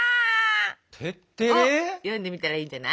テッテレ？を読んでみたらいいんじゃない？